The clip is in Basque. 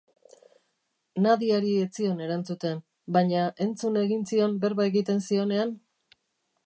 Nadiari ez zion erantzuten, baina entzun egin zion berba egiten zionean?